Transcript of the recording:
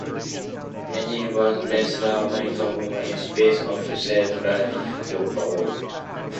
Resnik was the second American woman in space, after Sally Ride, and fourth overall.